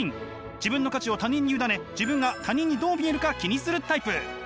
自分の価値を他人に委ね自分が他人にどう見えるか気にするタイプ。